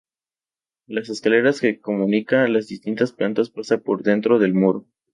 La escalera que comunica las distintas plantas pasa por dentro del muro.